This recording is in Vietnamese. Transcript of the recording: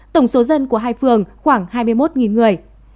tổng số dân của hai phường khoảng hai mươi một người